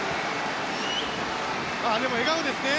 でも、笑顔ですね。